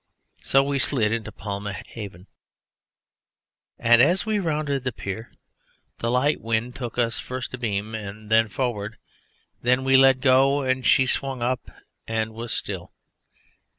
So we slid into Palma haven, and as we rounded the pier the light wind took us first abeam and then forward; then we let go and she swung up and was still.